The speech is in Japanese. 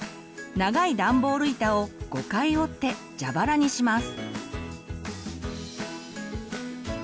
長いダンボール板を５回折ってジャバラにします。